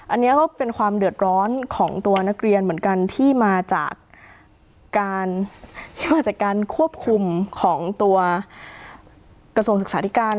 อันนี้ก็เป็นความเดือดร้อนของตัวนักเรียนเหมือนกันที่มาจากการที่มาจากการควบคุมของตัวกระทรวงศึกษาธิการ